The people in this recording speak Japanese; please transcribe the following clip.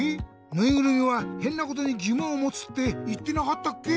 ぬいぐるみはへんなことにぎもんをもつっていってなかったっけ？